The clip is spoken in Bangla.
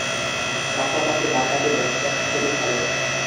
পাশাপাশি ডানহাতি ব্যাটসম্যান হিসেবে খেলেন।